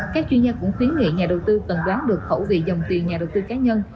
các chuyên gia cũng khuyến nghị nhà đầu tư cần đoán được khẩu vị dòng tiền nhà đầu tư cá nhân